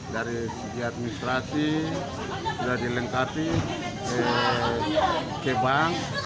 dari segi administrasi sudah dilengkapi ke bank